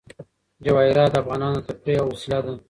جواهرات د افغانانو د تفریح یوه وسیله ده.